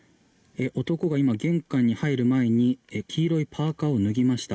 男が今、玄関に入る前に黄色いパーカを脱ぎました。